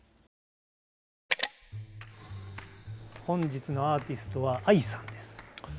本日のアーティストはＡＩさんです。